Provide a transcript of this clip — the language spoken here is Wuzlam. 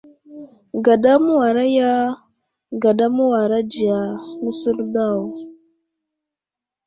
Gaɗa mə́wara ya, gaɗa mə́wara ɗiya nəsər daw.